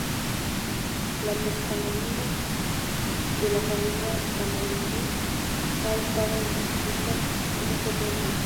La taxonomía de la familia Timaliidae ha estado en disputa mucho tiempo.